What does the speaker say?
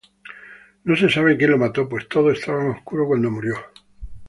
No se sabe quien lo mató pues todo estaba oscuro cuando murió.